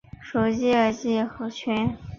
属牂牁郡。